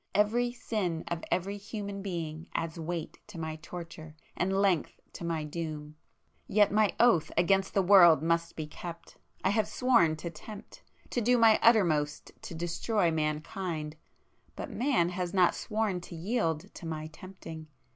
Every sin of every human being adds weight to my torture, and length to my doom,—yet my oath against the world must be kept! I have sworn to tempt,—to do my uttermost to destroy mankind,—but man has not sworn to yield to my tempting.